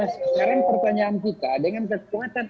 sekarang pertanyaan kita dengan kekuatan